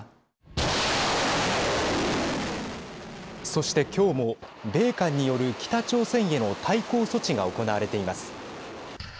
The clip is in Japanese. そして今日も米韓による北朝鮮への対抗措置が行われています。